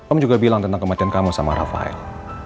om juga bilang tentang kematian kamu sama rafael